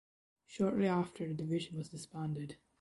Shortly after the division was disbanded.